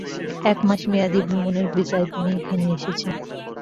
এক মাস মেয়াদি ভ্রমণের ভিসায় তিনি এখানে এসেছেন।